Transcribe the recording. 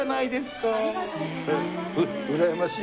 うらやましい？